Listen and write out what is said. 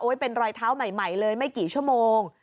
เป็นรอยเท้าใหม่เลยไม่กี่ชั่วโมง